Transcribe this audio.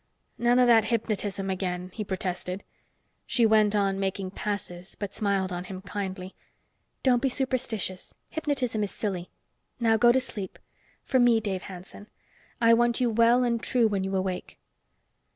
"None of that hypnotism again!" he protested. She went on making passes, but smiled on him kindly. "Don't be superstitious hypnotism is silly. Now go to sleep. For me, Dave Hanson. I want you well and true when you awake."